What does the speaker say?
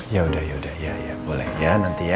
yaudah yaudah boleh ya nanti ya